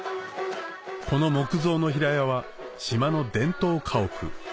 この木造の平屋は島の伝統家屋